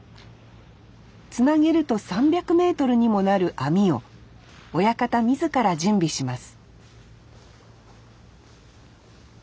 つなげると３００メートルにもなる網を親方自ら準備します